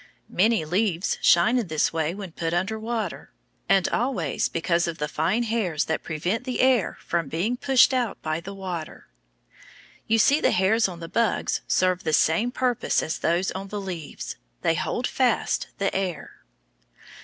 Many leaves shine in this way when put under water, and always because of the fine hairs that prevent the air from being pushed out by the water. You see the hairs on the bugs serve the same purpose as those on the leaves; they hold fast the air.